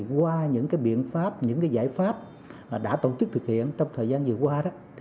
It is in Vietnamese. qua những biện pháp những giải pháp đã tổ chức thực hiện trong thời gian vừa qua đó